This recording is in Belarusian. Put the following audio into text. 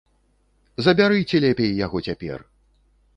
Забярыце лепей яго цяпер!